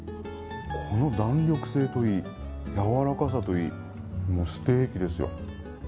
この弾力性といい柔らかさといいステーキですよ。